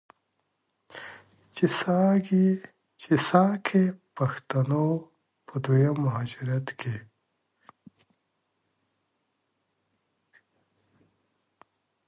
چې ساکي پښتنو په دویم مهاجرت کې،